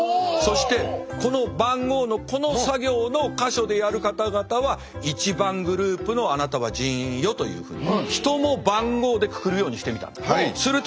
そしてこの番号のこの作業の箇所でやる方々は１番グループのあなたは人員よというふうに人も番号でくくるようにしてみたんです。